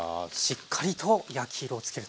しっかりと焼き色をつけると。